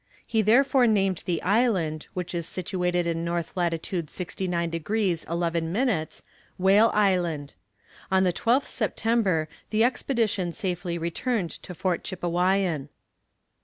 He therefore named the island, which is situated in N. lat. 69 degrees 11 minutes, Whale Island. On the 12th September the expedition safely returned to Fort Chippewyan.